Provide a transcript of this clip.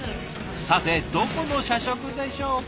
さてどこの社食でしょうか？